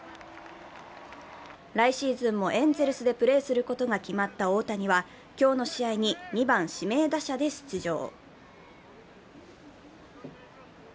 来シーズンもエンゼルスでプレーすることが決まった大谷は、今日の試合に２番・指名打者で出場。